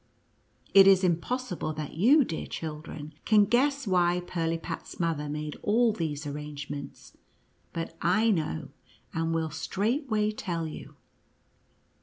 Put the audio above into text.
It is impossible that you, dear children, can guess why Pirlipat's mother made all these ar rangements, but I know, and will straightway tell you.